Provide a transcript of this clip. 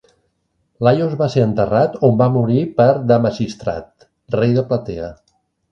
Laios va ser enterrat on va morir per Damasistrat, rei de Platea.